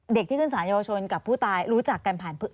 ที่ขึ้นสารเยาวชนกับผู้ตายรู้จักกันผ่าน